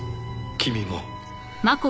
君も？